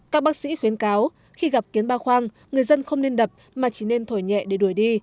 các bác sĩ khuyến cáo khi gặp kiến ba khoang người dân không nên đập mà chỉ nên thổi nhẹ để đuổi đi